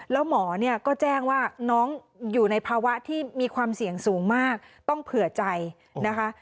แล้วหมอเนี่ยก็แจ้งว่าน้องอยู่ในภาวะที่มีความเสี่ยงสูงมากต้องเผื่อใจนะคะ